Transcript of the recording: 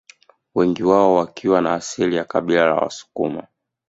Wengi wao wakiwa na asili ya kabila la Wasukuma